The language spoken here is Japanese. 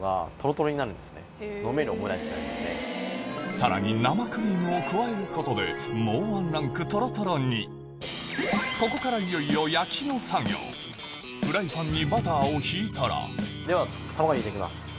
さらに生クリームを加えることでもうワンランクとろとろにここからいよいよ焼きの作業フライパンにバターを引いたらでは。